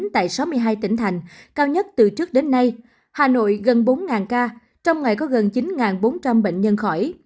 tại sáu mươi hai tỉnh thành cao nhất từ trước đến nay hà nội gần bốn ca trong ngày có gần chín bốn trăm linh bệnh nhân khỏi